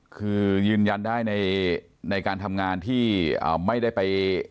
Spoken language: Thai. คือยืนยันได้ในการทำงานที่ไม่ได้ไป